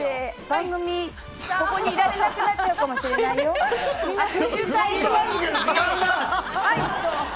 番組、ここにいられなくなっちゃうかもしれない。